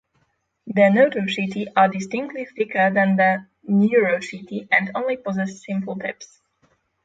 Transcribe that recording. The notochaetae are distinctly thicker than the neurochaetae and only possess simple tips.